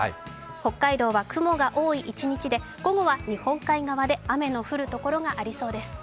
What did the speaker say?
北海道は雲が多い一日で、午後は日本海側で雨の降るところがありそうです。